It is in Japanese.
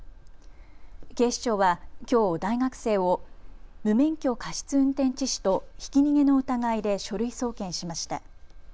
警視庁はきょう大学生を無免許過失運転致死とひき逃げの疑いで書類送検しました。